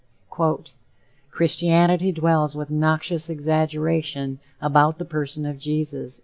_Christianity "dwells with noxious exaggeration about the person of Jesus."